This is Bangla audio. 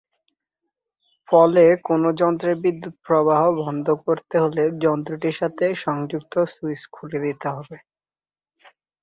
ফলে কোনো যন্ত্রে বিদ্যুৎ প্রবাহ বন্ধ করতে হলে যন্ত্রটির সাথে সংযুক্ত সুইচ খুলে দিতে হবে।